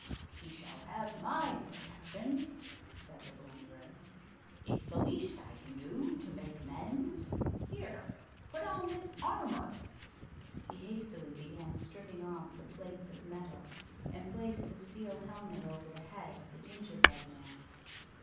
"He shall have my protection," said the Blunderer. "It's the least I can do to make amends. Here put on this armour!" He hastily began stripping off the plates of metal, and placed the steel helmet over the head of the gingerbread man.